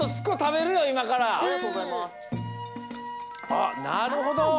あなるほど！